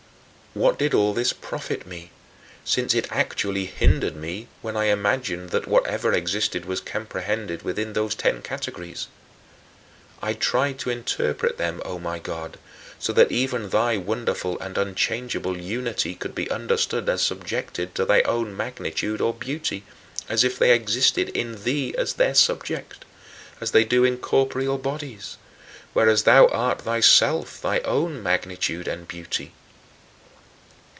29. What did all this profit me, since it actually hindered me when I imagined that whatever existed was comprehended within those ten categories? I tried to interpret them, O my God, so that even thy wonderful and unchangeable unity could be understood as subjected to thy own magnitude or beauty, as if they existed in thee as their Subject as they do in corporeal bodies whereas thou art thyself thy own magnitude and beauty.